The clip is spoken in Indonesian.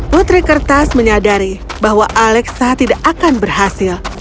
putri kertas menyadari bahwa alexa tidak akan berhasil